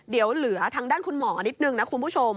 เดี๋ยวเหลือทางด้านคุณหมอนิดนึงนะคุณผู้ชม